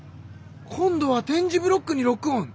今度は点字ブロックにロックオン！